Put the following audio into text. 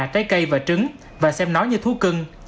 trái cây và trứng và xem nó như thú cưng